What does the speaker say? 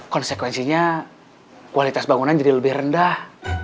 konsekuensinya kualitas bangunan jadi lebih rendah